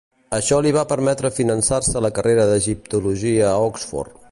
Això li va permetre finançar-se la carrera d'egiptologia a Oxford.